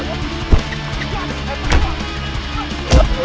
tebareng deh aku brbl